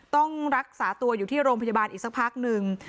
ต้องรักษาตัวอยู่ที่โรงพยาบาลอีกสักพักหนึ่ง